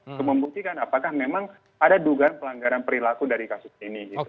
untuk membuktikan apakah memang ada dugaan pelanggaran perilaku dari kasus ini